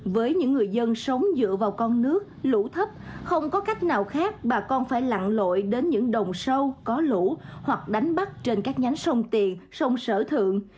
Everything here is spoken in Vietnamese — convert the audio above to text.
với những người dân sống dựa vào con nước lũ thấp không có cách nào khác bà con phải lặn lội đến những đồng sâu có lũ hoặc đánh bắt trên các nhánh sông tiền sông sở thượng